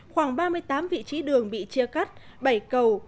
khoảng ba mươi tám vị trí đường bị chia cắt bảy cầu